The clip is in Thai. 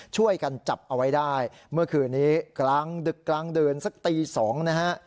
ช่วยกันจับเอาไว้ได้เมื่อคืนนี้กลางดึกกลางดื่นสักตี๒นะฮะ